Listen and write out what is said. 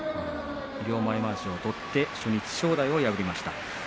両前まわしを取って初日正代を破りました。